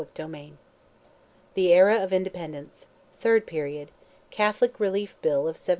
CHAPTER XI. THE ERA OF INDEPENDENCE—THIRD PERIOD—CATHOLIC RELIEF BILL OF 1793.